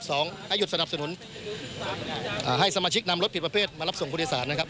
ให้หยุดสนับสนุนอ่าให้สมาชิกนำรถผิดประเภทมารับส่งผู้โดยสารนะครับ